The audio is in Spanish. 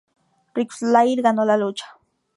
Ric Flair ganó la lucha.